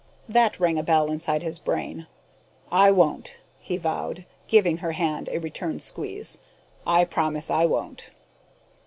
That rang a bell inside his brain. "I won't," he vowed, giving her hand a return squeeze. "I promise I won't."